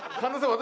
私。